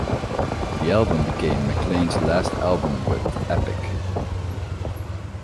The album became McClain's last album with Epic.